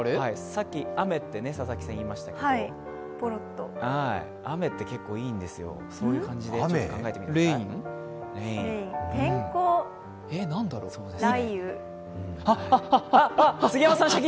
さっき雨って佐々木さん、言いましたけど雨って結構いいんですよ、そういう感じで考えてください。